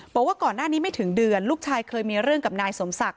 บอกว่าก่อนหน้านี้ไม่ถึงเดือนลูกชายเคยมีเรื่องกับนายสมศักดิ